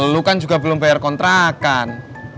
lu kan juga belum bayar kontrakan